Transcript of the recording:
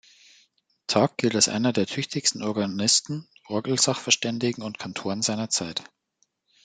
Tag gilt als einer der tüchtigsten Organisten, Orgelsachverständigen und Kantoren seiner Zeit.